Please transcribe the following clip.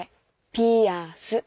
ピアス。